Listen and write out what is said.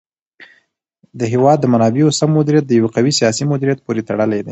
د هېواد د منابعو سم مدیریت د یو قوي سیاسي مدیریت پورې تړلی دی.